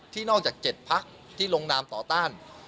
นอกจาก๗พักที่ลงนามต่อต้าน